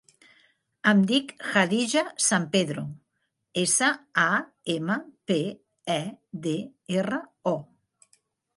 Em dic Khadija Sampedro: essa, a, ema, pe, e, de, erra, o.